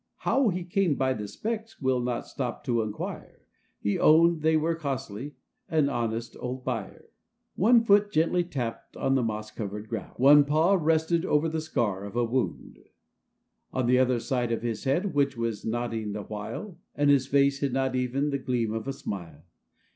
How he came by the specs we'll not stop to inquire : He owned they were costly, the honest, old buyer ! One foot gently tapped on the moss covered ground ; One paw rested over the scar of a wound, On the side of his head, which was nodding the while, And his face had not even the gleam of a smile.